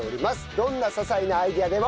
どんな些細なアイデアでも。